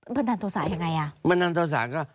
มันทำตัวสารยังไงอ่ะมันทำตัวสารก็